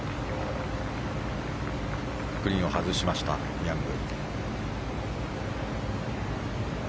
グリーンを外しましたヤング。